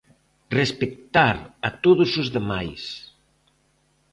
Respectar a todos os demais.